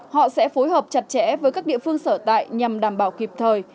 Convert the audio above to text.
họ sẽ phối hợp chặt chẽ với các địa phương sở tại nhằm đảm bảo kịp thời